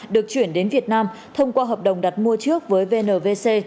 được chuyển đến việt nam thông qua hợp đồng đặt mua trước với vnvc